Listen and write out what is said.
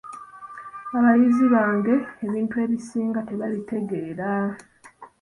Abayizi bange ebintu ebisinga tebabitegeera.